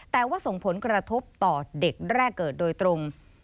แต่ว่าส่งผลกระทบต่อเด็กแรกเกิดโดยตรง